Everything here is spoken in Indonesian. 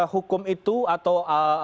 hukum itu atau